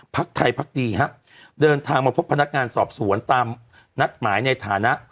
พักไทยพักดีฮะเดินทางมาพบพนักงานสอบสวนตามนัดหมายในฐานะ